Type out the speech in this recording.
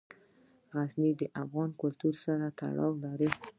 غزني د افغان کلتور سره تړاو لري.